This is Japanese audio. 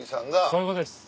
そういうことです。